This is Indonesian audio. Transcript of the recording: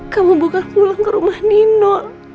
kamu buka pulang ke rumah nino